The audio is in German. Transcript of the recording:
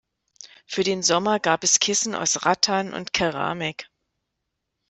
Für den Sommer gab es Kissen aus Rattan und Keramik.